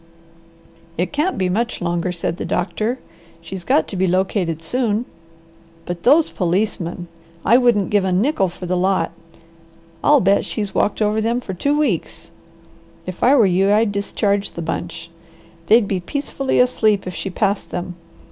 "It can't be much longer," said the doctor. "She's got to be located soon. But those policemen! I wouldn't give a nickel for the lot! I'll bet she's walked over them for two weeks. If I were you I'd discharge the bunch. They'd be peacefully asleep if she passed them.